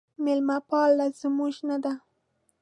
میلمه پاله زموږ نه ده